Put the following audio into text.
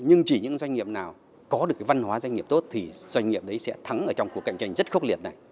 nhưng chỉ những doanh nghiệp nào có được cái văn hóa doanh nghiệp tốt thì doanh nghiệp đấy sẽ thắng ở trong cuộc cạnh tranh rất khốc liệt này